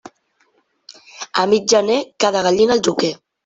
A mig gener, cada gallina al joquer.